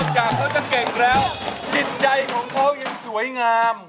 จากเขาจะเก่งแล้วจิตใจของเขายังสวยงาม